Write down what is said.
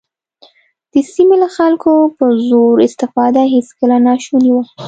د سیمې له خلکو په زور استفاده هېڅکله ناشونې وه.